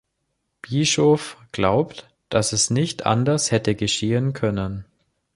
Bischof glaubt, dass es nicht anders hätte geschehen können.